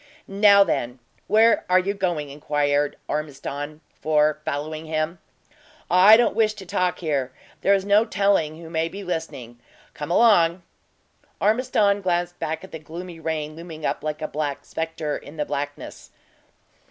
"Now, then, where are you going?" inquired Ormiston for, following him. "I don't wish to talk here; there is no telling who may be listening. Come along." Ormiston glanced back at the gloomy rain looming up like a black spectre in the blackness.